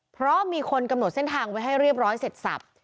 เพราะมีคนกำหนดเส้นทางไว้ให้เรียบร้อยเสร็จสับ